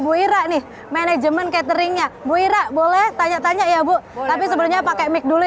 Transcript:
bu ira nih manajemen cateringnya bu ira boleh tanya tanya ya bu tapi sebelumnya pakai mic dulu